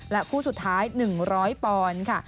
และคู่สุดท้าย๑๐๐ปอนค่ะ